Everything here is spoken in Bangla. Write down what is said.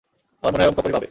আমার মনে হয় ওম কাপুরই পাবে।